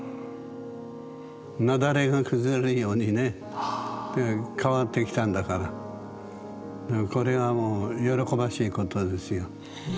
雪崩が崩れるようにね変わってきたんだからこれはもう喜ばしいことですよ。